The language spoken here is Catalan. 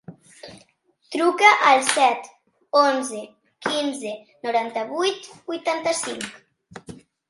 Truca al set, onze, quinze, noranta-vuit, vuitanta-cinc.